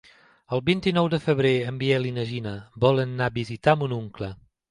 El vint-i-nou de febrer en Biel i na Gina volen anar a visitar mon oncle.